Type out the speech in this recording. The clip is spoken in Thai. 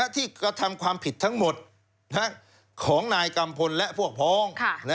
กระทำความผิดทั้งหมดของนายกัมพลและพวกพ้อง